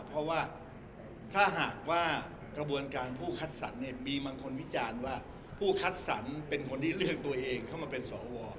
เพราะว่าถ้าหากว่ากระบวนการผู้คัดสรรเนี่ยมีบางคนวิจารณ์ว่าผู้คัดสรรเป็นคนที่เลือกตัวเองเข้ามาเป็นสว